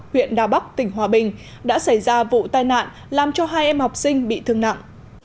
huyện đà bắc tỉnh hòa bình đã xảy ra vụ tai nạn làm cho hai em học sinh bị thương nặng